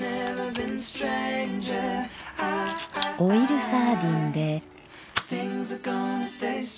オイルサーディンで。